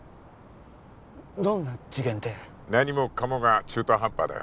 どんな事件って何もかもが中途半端だよ